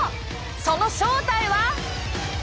その正体は？